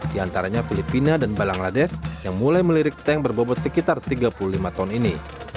di antaranya filipina dan bangladesh yang mulai melirik tank berbobot sekitar tiga puluh lima ton ini